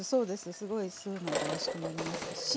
すごい吸うのでおいしくなりますし